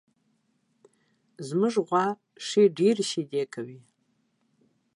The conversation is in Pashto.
زمونږ غوا ښې ډېرې شیدې کوي